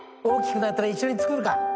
大きくなったら一緒に作るか。